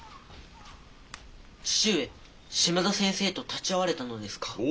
父上島田先生と立ち合われたのですか？